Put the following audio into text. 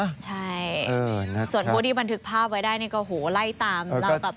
ใช่ส่วนผู้ที่บันทึกภาพไว้ได้ก็ไล่ตามเรา